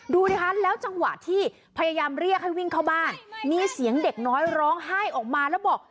ดูสิคะแล้วจังหวะที่พยายามเรียกให้วิ่งเข้าบ้านมีเสียงเด็กน้อยร้องไห้ออกมาแล้วบอก